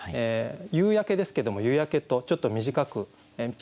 夕焼けですけども「夕焼」とちょっと短く縮めています。